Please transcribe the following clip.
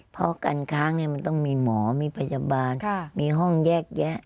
เพราะการค้างมันต้องมีหมอมีพยาบาลมีห้องแยกแยะ